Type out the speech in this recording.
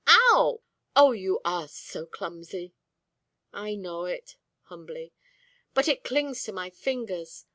Ow! Oh, you are so clumsy." "I know it," humbly. "But it clings to my fingers.